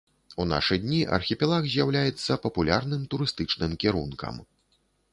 У нашы дні архіпелаг з'яўляецца папулярным турыстычным кірункам.